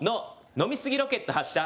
飲みすぎロケット発射。